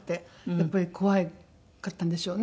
やっぱり怖かったんでしょうね。